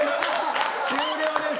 終了です。